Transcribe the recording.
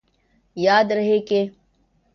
یاد رہے کہ